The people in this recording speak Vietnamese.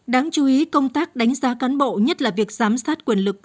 đáng chú ý công tác đánh giá cán bộ nhất là việc giám sát quyền lực